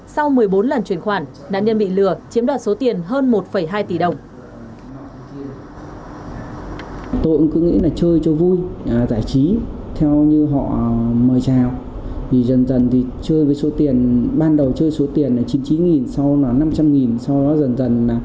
sau một mươi bốn lần chuyển khoản nạn nhân bị lừa chiếm đoạt số tiền hơn một hai tỷ đồng